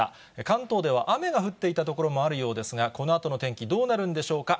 関東では雨が降っていた所もあるようですが、このあとの天気、どうなるんでしょうか。